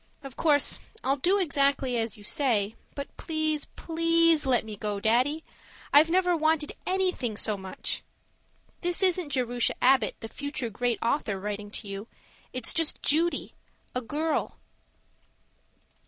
Of course I'll do exactly as you say, but please, PLEASE let me go, Daddy. I've never wanted anything so much. This isn't Jerusha Abbott, the future great author, writing to you. It's just Judy a girl.